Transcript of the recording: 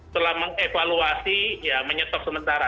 telah mengevaluasi menyesok sementara